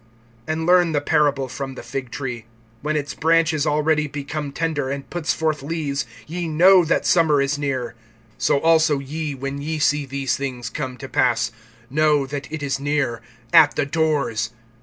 (28)And learn the parable from the fig tree. When its branch is already become tender, and puts forth leaves, ye know that summer is near. (29)So also ye, when ye see these things come to pass, know that it is near, at the doors.